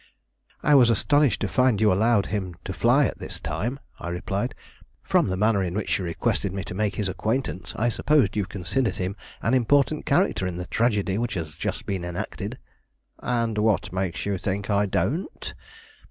"I was astonished to find you allowed him to fly at this time," I replied. "From the manner in which you requested me to make his acquaintance, I supposed you considered him an important character in the tragedy which has just been enacted." "And what makes you think I don't?